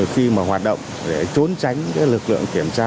khi mà hoạt động để trốn tránh lực lượng kiểm tra